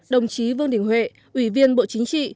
đồng chí vương đình huệ ủy viên bộ chính trị